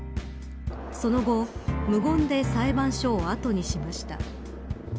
その後、無言で裁判所を後にしました。